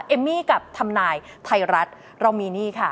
เอมมี่กับทำนายไทยรัฐเรามีหนี้ค่ะ